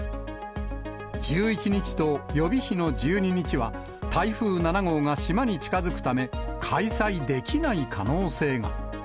１１日と予備日の１２日は、台風７号が島に近づくため、開催できない可能性が。